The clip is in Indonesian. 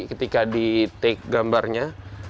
ketika di take gambarnya